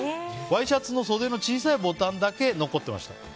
ワイシャツの袖の小さいボタンだけ残っていました。